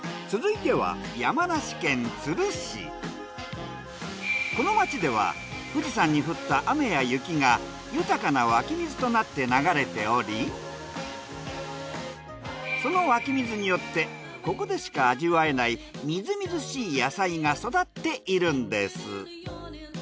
続いてはこの町では富士山に降った雨や雪が豊かな湧き水となって流れておりその湧き水によってここでしか味わえないみずみずしい野菜が育っているんです。